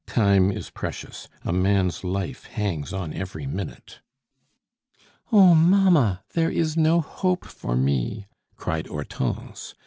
"Time is precious; a man's life hangs on every minute." "Oh, mamma, there is no hope for me!" cried Hortense.